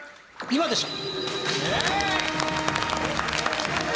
今でしょ』